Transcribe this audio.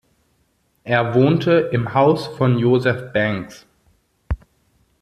Er wohnte im Haus von Joseph Banks.